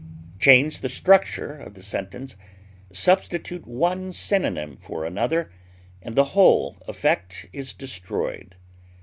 Change the structure of the sentence; substitute one synonym for another, and the whole effect is destroyed.